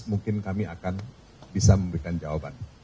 mungkin kami akan bisa memberikan jawaban